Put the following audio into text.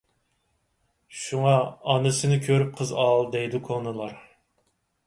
شۇڭا، «ئانىسىنى كۆرۈپ قىز ئال» دەيدۇ كونىلار.